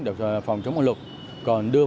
đều phải phòng chống ổn định